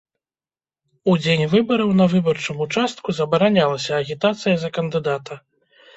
У дзень выбараў на выбарчым участку забаранялася агітацыя за кандыдата.